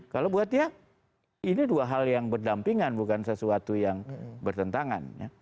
kalau buat dia ini dua hal yang berdampingan bukan sesuatu yang bertentangan